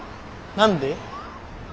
何で？